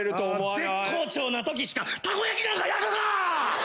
絶好調な時しかたこ焼きなんか焼くか！